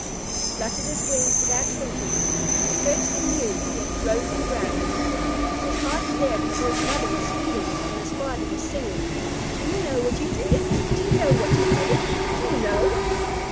He fluttered his wings without thinking, and the first he knew he had flown to the ground. He was hardly there before his mother was feeding him and his father was singing: "Do you know what you did? Do you know what you did? Do you know?"